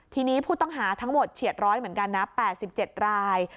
ทีนี้ผู้ต้องหาทั้งหมดเฉียดร้อยเหมือนกันนะ๘๗ราย